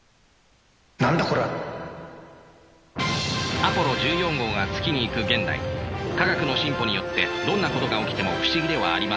アポロ１４号が月に行く現代科学の進歩によってどんなことが起きても不思議ではありません。